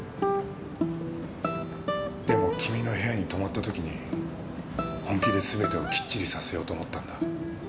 でも君の部屋に泊まったときに本気ですべてをきっちりさせようと思ったんだ。